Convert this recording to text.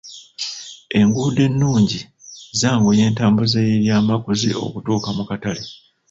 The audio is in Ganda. Enguudo ennungi zaanguya entambuza y'ebyamaguzi okutuuka mu katale.